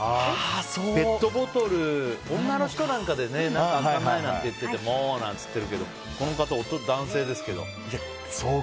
ペットボトルね女の人なんかで、開かないもう！なんて言ってるけどこの方、男性ですけど。